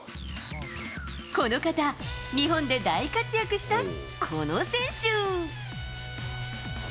この方、日本で大活躍したこの選手。